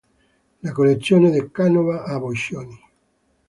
La collezione "Da Canova a Boccioni.